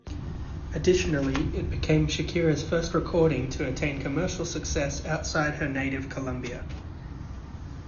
Additionally, it became Shakira's first recording to attain commercial success outside her native Colombia.